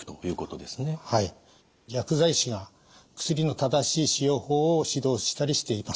薬剤師が薬の正しい使用法を指導したりしています。